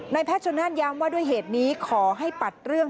แพทย์ชนนั่นย้ำว่าด้วยเหตุนี้ขอให้ปัดเรื่อง